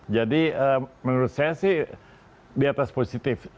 jadi menurut saya sih di atas positif